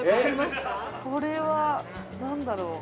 これは何だろう